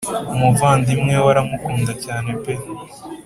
umuvandimwe we aramukunda cyane pe